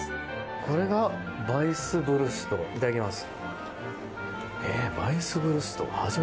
これがヴァイスブルスト？いただきます。